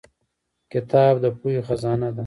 کتاب د پوهې خزانه ده